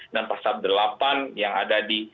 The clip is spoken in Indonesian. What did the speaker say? dan pasal delapan yang ada di